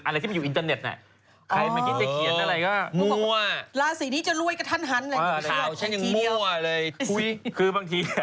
อาทิตย์ส่วนตัวใช่ไหมครับ